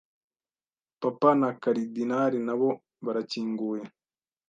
Papa na Karidinali nabo barakinguye